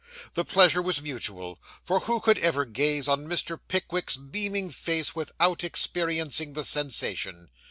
The pleasure was mutual; for who could ever gaze on Mr. Pickwick's beaming face without experiencing the sensation?